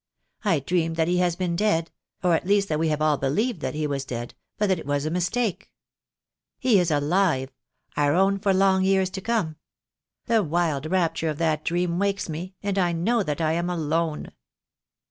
I dream that he has been dead — or at least that we have all believed that he was dead — but that it was a mistake. He is alive; our own for long years to come. The wild rapture of that dream wakes me, and I know that I am alone.